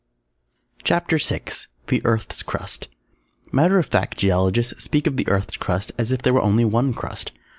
_ CHAPTER VI THE EARTH'S CRUST Matter of fact Geologists speak of the Earth's Crust as if there were only one Crust.